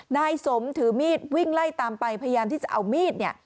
นายสมถือมีดวิ่งไล่ตามไปพยายามที่จะเอามีดเนี่ย